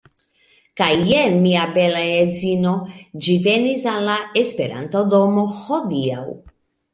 Kaj jen mia bela edzino, ĝi venis al la Esperanto-domo hodiaŭ.